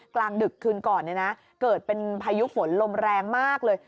กลางดึกคืนก่อนเกิดเป็นพายุฝนลมแรงมากเลย